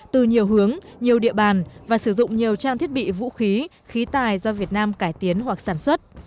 từ nhiều hướng nhiều địa bàn và sử dụng nhiều trang thiết bị vũ khí khí tài do việt nam cải tiến hoặc sản xuất